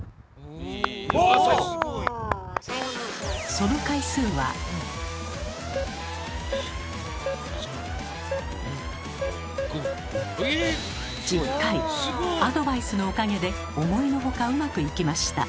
その回数はええ⁉すごい！アドバイスのおかげで思いの外うまくいきました。